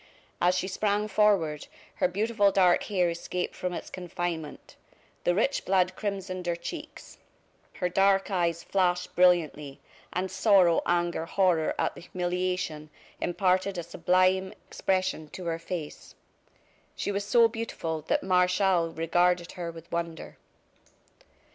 As she sprang forward her beautiful dark hair escaped from its confinement, the rich blood crimsoned her cheeks, her dark eyes flashed brilliantly, and sorrow, anger, horror at the humiliation, imparted a sublime expression to her face. She was so beautiful that Martial regarded her with wonder.